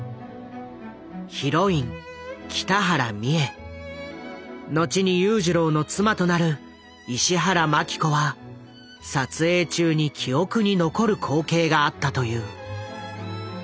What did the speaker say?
ヒロイン北原三枝後に裕次郎の妻となる石原まき子は撮影中に記憶に残る光景があったという。